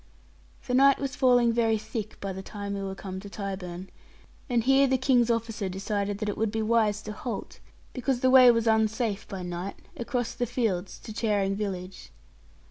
The night was falling very thick by the time we were come to Tyburn, and here the King's officer decided that it would be wise to halt, because the way was unsafe by night across the fields to Charing village.